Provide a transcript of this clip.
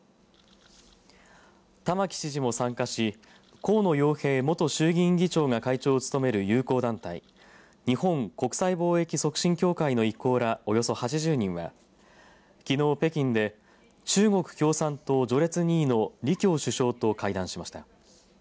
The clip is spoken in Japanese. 玉城知事も参加し河野洋平元衆議院議長が会長を務める友好団体日本国際貿易促進協会の一行らおよそ８０人はきのう、北京で中国共産党序列２位の李強首相と会談しました。